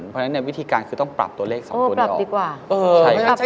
เพราะฉะนั้นในวิธีการคือต้องปรับตัวเลขสองตัวเดียว